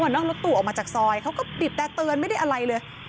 นั่งรถตู้ออกมาจากซอยเขาก็บีบแต่เตือนไม่ได้อะไรเลย